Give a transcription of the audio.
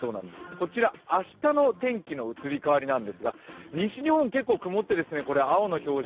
こちら明日の天気の移り変わりですが、西日本、結構、曇って青の表示